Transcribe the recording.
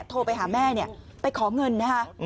โทรไปหาแม่ไปขอเงินนะคะ